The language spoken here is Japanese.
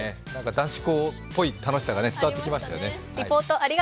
男子校っぽい楽しさが伝わってきましたよね。